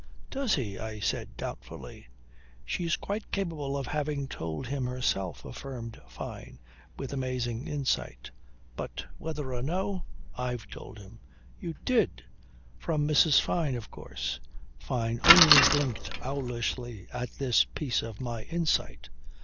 "Does he?" I said doubtfully. "She's quite capable of having told him herself," affirmed Fyne, with amazing insight. "But whether or no, I've told him." "You did? From Mrs. Fyne, of course." Fyne only blinked owlishly at this piece of my insight.